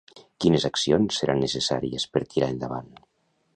Quines accions seran necessàries per tirar endavant?